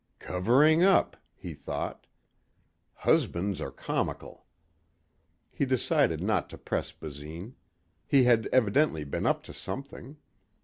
"Covering up," he thought. "Husbands are comical." He decided not to press Basine. He had evidently been up to something